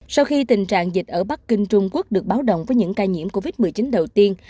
sau khi tình trạng dịch ở bắc kinh trung quốc được báo động với những ca nhiễm covid một mươi chín đầu tiên